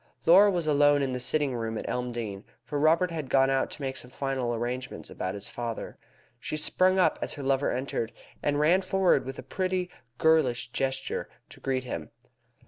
Laura was alone in the sitting room at Elmdene, for Robert had gone out to make some final arrangements about his father. She sprang up as her lover entered, and ran forward with a pretty girlish gesture to greet him.